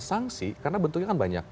sanksi karena bentuknya kan banyak